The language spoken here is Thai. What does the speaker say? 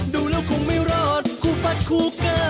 ดูแล้วคงไม่รอดคู่ฟัดคู่เกอร์